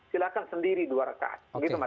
silakan sendiri dua rekan